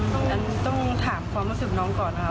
ฉันต้องถามความรู้สึกน้องก่อนนะคะ